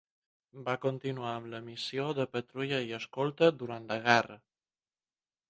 Va continuar amb la missió de patrulla i escolta durant la guerra.